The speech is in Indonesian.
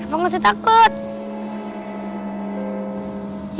orang orang lainnya berasal dari lain lain